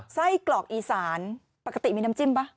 ไส้กรอกอีสานปกติมีน้ำจิ้มป่ะ